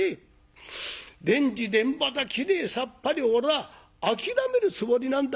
田地田畑きれいさっぱりおらは諦めるつもりなんだ。